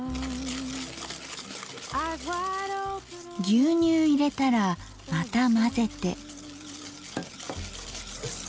牛乳入れたらまた混ぜて。